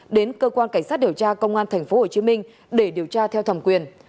đến cơ quan cảnh sát điều tra công an tp hcm để điều tra theo thẩm quyền